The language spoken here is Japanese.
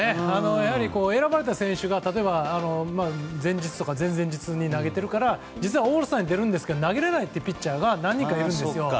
例えば、選ばれた選手が前日とか前々日に投げているから実はオールスターに出るんですが投げれないピッチャーが何人かいるんですよ。